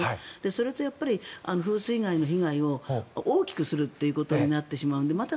それと、風水害の被害を大きくするということになってしまうのでまた